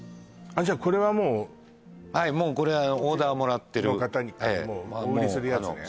じゃあこれはもうはいもうこれはオーダーもらってるお売りするやつね